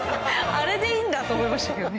あれでいいんだと思いましたけどね。